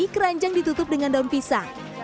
keranjang ditutup dengan daun pisang